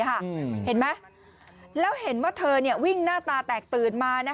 เห็นไหมแล้วเห็นว่าเธอวิ่งหน้าตาแตกตื่นมา